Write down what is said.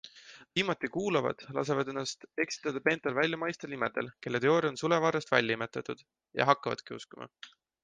Viimati kuulavad, lasevad ennast eksitada peentel väljamaistel nimedel, kelle teooria on sulevarrest välja imetud, ja hakkavadki uskuma?